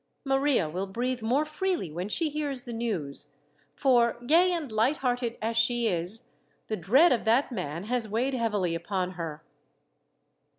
Maria will breathe more freely when she hears the news, for, gay and light hearted as she is, the dread of that man has weighed heavily upon her."